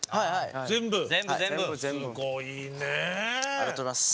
ありがとうございます。